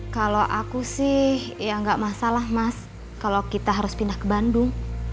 kalau aku sih ya nggak masalah mas kalau kita harus pindah ke bandung